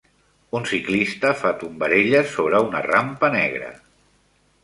Un ciclista fa tombarelles sobre una rampa negra.